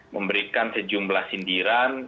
memberikan sejumlah sindiran